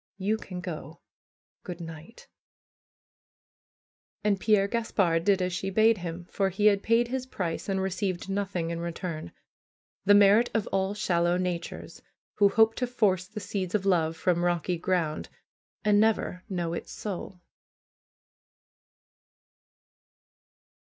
You can go ! Good night !" And Pierre Gaspard did as she bade him, for he had paid his price and received nothing in return; the merit of all shallow natures, who hope to force the seeds of love from rocky ground, and never know its soul.